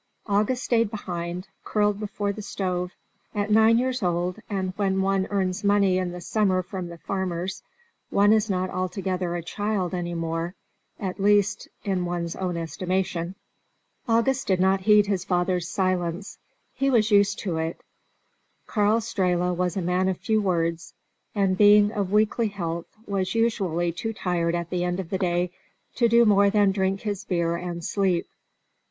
August stayed behind, curled before the stove; at nine years old, and when one earns money in the summer from the farmers, one is not altogether a child any more, at least in one's own estimation. August did not heed his father's silence: he was used to it. Karl Strehla was a man of few words, and, being of weakly health, was usually too tired at the end of the day to do more than drink his beer and sleep.